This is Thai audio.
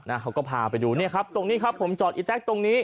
เขาก็พาไปดูเนี่ยครับตรงนี้ครับผมจอดอีแต๊กตรงนี้